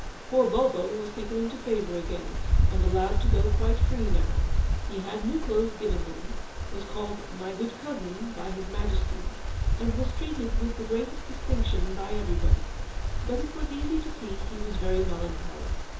Poor Bulbo was taken into favour again, and allowed to go quite free now. He had new clothes given him, was called 'My good cousin' by His Majesty, and was treated with the greatest distinction by everybody. But it was easy to see he was very melancholy.